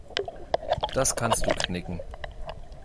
Das kannst du knicken.